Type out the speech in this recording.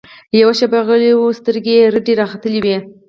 يوه شېبه غلى و سترګې يې رډې راختلې وې.